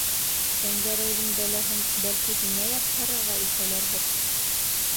Шәңгәрәйҙең бәләһен, бәлки, һиңә япһарырға итәләрҙер?